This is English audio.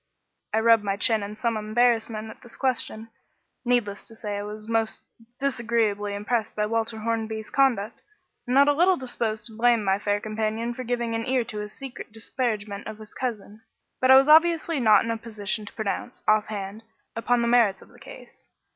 I rubbed my chin in some embarrassment at this question. Needless to say, I was most disagreeably impressed by Walter Hornby's conduct, and not a little disposed to blame my fair companion for giving an ear to his secret disparagement of his cousin; but I was obviously not in a position to pronounce, offhand, upon the merits of the case.